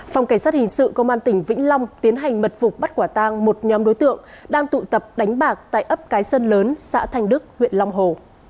phòng cảnh sát hình sự công an tỉnh vĩnh long tiến hành mật phục bắt quả tang một nhóm đối tượng đang tụ tập đánh bạc tại ấp cái sân lớn xã thành đức huyện long hồ